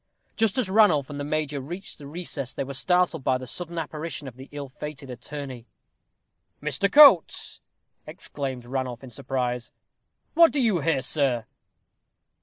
Just as Ranulph and the major reached the recess they were startled by the sudden apparition of the ill fated attorney. "Mr. Coates!" exclaimed Ranulph, in surprise. "What do you here, sir?"